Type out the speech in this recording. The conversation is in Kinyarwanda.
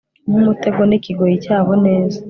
nkumutego nikigoyi cyabo neza